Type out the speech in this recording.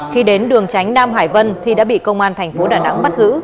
khi đến đường tránh nam hải vân thi đã bị công an tp đà nẵng bắt giữ